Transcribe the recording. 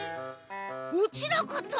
落ちなかった！